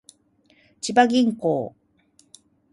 千葉銀行